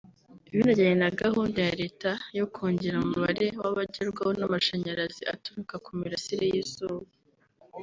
binajyanye na gahunda ya Leta yo kongera umubare w’abagerwaho n’amashanyarazi aturuka ku mirasire y’izuba